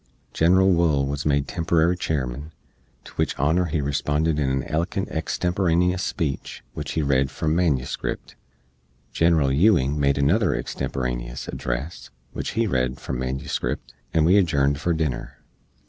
Genral Wool wuz made temporary Chairman, to wich honor he responded in a elokent extemporaneous speech, which he read from manuscript. General Ewing made another extemporaneous address, which he read from manuscript, and we adjourned for dinner.